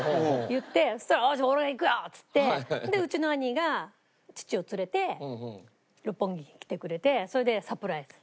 言ってそしたら「よし俺行くよ！」っつってでうちの兄が父を連れて六本木に来てくれてそれでサプライズ。